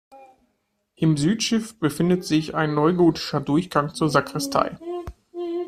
Im Südschiff befindet sich ein neugotischer Durchgang zur Sakristei.